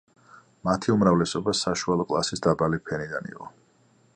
მათი უმრავლესობა საშუალო კლასის დაბალი ფენიდან იყო.